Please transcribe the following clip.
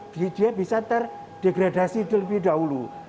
dia bisa terdegradasi terlebih dahulu